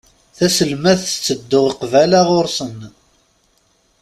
Taselmadt tetteddu qbala ɣur-sen.